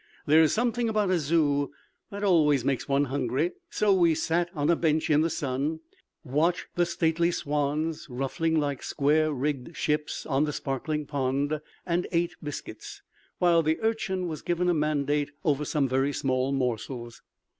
There is something about a Zoo that always makes one hungry, so we sat on a bench in the sun, watched the stately swans ruffling like square rigged ships on the sparkling pond, and ate biscuits, while the Urchin was given a mandate over some very small morsels.